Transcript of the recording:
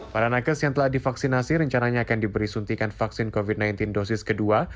para nakes yang telah divaksinasi rencananya akan diberi suntikan vaksin covid sembilan belas dosis kedua